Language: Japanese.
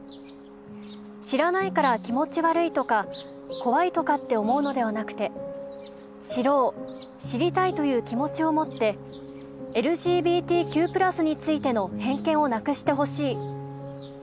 知らないから気持ち悪いとか怖いとかって思うのではなくて知ろう知りたいという気持ちを持ってＬＧＢＴＱ＋についての偏見をなくしてほしい。